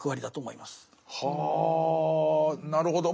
はあなるほど。